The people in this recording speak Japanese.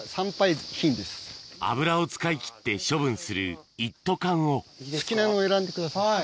油を使い切って処分する一斗缶を好きなの選んでください。